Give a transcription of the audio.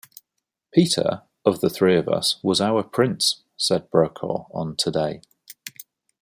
"Peter, of the three of us, was our prince," said Brokaw on "Today".